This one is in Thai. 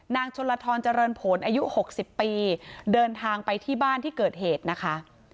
ชนลทรเจริญผลอายุ๖๐ปีเดินทางไปที่บ้านที่เกิดเหตุนะคะ